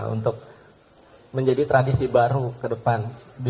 untuk menjadi tradisi baru ke depan